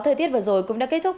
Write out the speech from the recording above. thời tiết vừa rồi cũng đã kết thúc